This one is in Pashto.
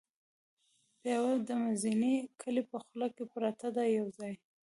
پېوه د مزینې کلي په خوله کې پرته ده یو ځای.